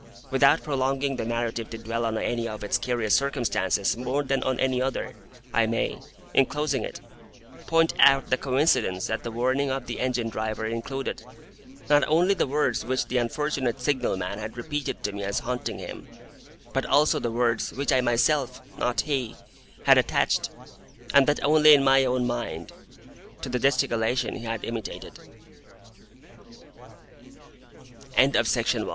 Without prolonging the narrative to dwell on any one of its curious circumstances more than on any other, I may, in closing it, point out the coincidence that the warning of the Engine Driver included, not only the words which the unfortunate Signal man had repeated to me as haunting him, but also the words which I myself—not he—had attached, and that only in my own mind, to the gesticulation he had i